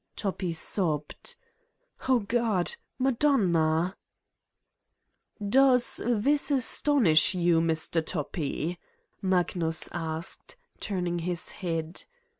Toppi sobbed : "Oh, God! Madonna!" "Does this astonish you, Mr. Toppi?" Mag nus asked, turning his head.